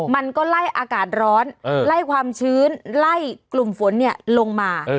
มันก็ไล่อากาศร้อนไล่ความชื้นไล่กลุ่มฝนลงมา